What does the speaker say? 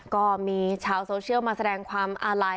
ก็มีชาวโซเชียลมาแสดงความอาลัย